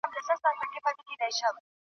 پټ په لار کي د ملیار یو ګوندي راسي .